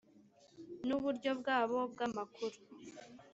n uburyo bwabo bw amakuru